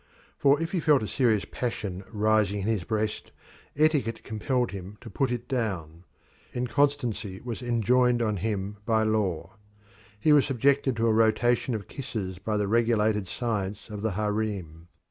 For if he felt a serious passion rising in his breast, etiquette compelled him to put it down. Inconstancy was enjoined on him by law. He was subjected to a rotation of kisses by the regulated science of the harem.